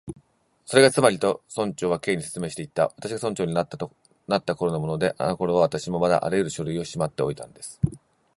「それがつまり」と、村長は Ｋ に説明していった「私が村長になったころのもので、あのころは私もまだあらゆる書類をしまっておいたんです」